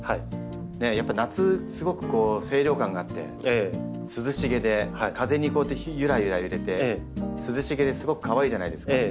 やっぱり夏すごく清涼感があって涼しげで風にこうやってゆらゆら揺れて涼しげですごくかわいいじゃないですか。